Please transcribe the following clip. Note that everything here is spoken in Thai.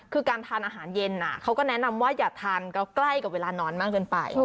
คือการทานอาหารเย็นเขาก็แนะนำว่าอย่าทานก็ใกล้กับเวลานอนมากเกินไป